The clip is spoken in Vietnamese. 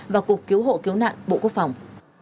và cục cứu hộ cứu nạn bộ quốc phòng